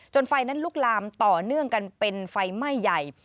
ไฟนั้นลุกลามต่อเนื่องกันเป็นไฟไหม้ใหญ่